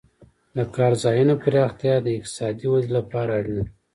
د کار ځایونو پراختیا د اقتصادي ودې لپاره اړینه ده.